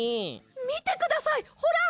みてくださいほら！